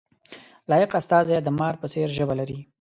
لایق استازی د مار په څېر ژبه ولري.